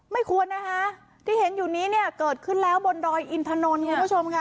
ไม่ควรนะคะที่เห็นอยู่นี้เนี่ยเกิดขึ้นแล้วบนดอยอินทนนท์คุณผู้ชมค่ะ